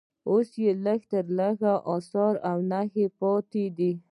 اوس یې لږ لږ اثار او نښې پاتې دي.